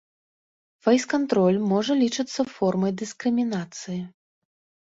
Фэйс-кантроль можа лічыцца формай дыскрымінацыі.